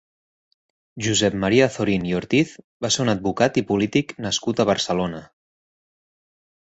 Josep Maria Azorín i Ortiz va ser un advocat i polític nascut a Barcelona.